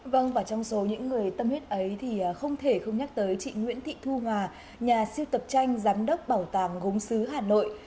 vâng và trong số những người tâm huyết ấy thì không thể không nhắc tới chị nguyễn thị thu hòa nhà siêu tập tranh giám đốc bảo tàng gốm xứ hà nội